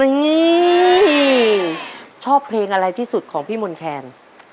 ชอบเพลงอะไรที่สุดของพี่มนต์แคน